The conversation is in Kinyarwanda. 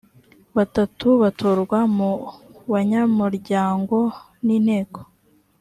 batatu batorwa mu banyamuryango n inteko